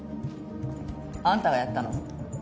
あんたがやったの？